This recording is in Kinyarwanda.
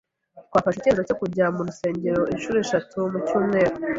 Twafashe icyemezo cyo kujya mu rusengero incuro eshatu mu cyumweru.